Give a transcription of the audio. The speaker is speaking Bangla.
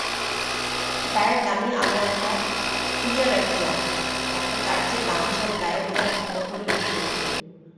গায়ের দামি আলোয়ানটা খুলিয়া রাখিয়া একটা তার চেয়ে দামি শাল গায়ে দিয়া মোটরে উঠিল।